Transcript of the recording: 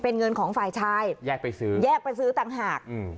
เป็นเงินของฝ่ายชายแยกไปซื้อแยกไปซื้อต่างหากอืม